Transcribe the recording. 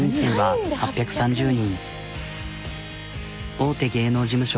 大手芸能事務所